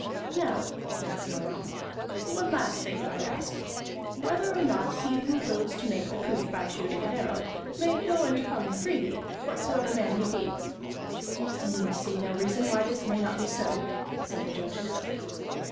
"Now," said Snorri, "one last thing do I ask, whether or not he who goes to make the proof by shooting an arrow, may go and come freely, whatsoever man he be?" "We see no reason why this may not be so," said the judges.